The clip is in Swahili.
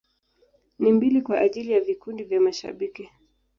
Na mbili kwa ajili ya vikundi vya mashabiki.